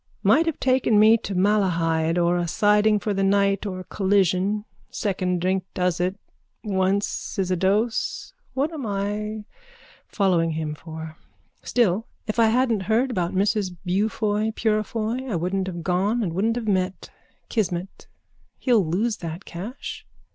Might have taken me to Malahide or a siding for the night or collision. Second drink does it. Once is a dose. What am I following him for? Still, he's the best of that lot. If I hadn't heard about Mrs Beaufoy Purefoy I wouldn't have gone and wouldn't have met. Kismet. He'll lose that cash.